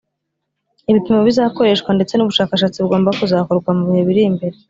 ibipimo bizakoreshwa ndetse n'ubushakashatsi bugomba kuzakorwa mu bihe biri imbere